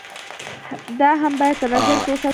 دا هم بايد په نظر کښې وساتلے شي